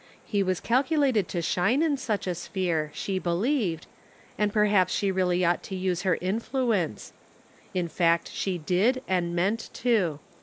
He was cal culated to shine in such a sphere, she believed, and perhaps she really ought to use her influ ence. In fact she did, and meant to.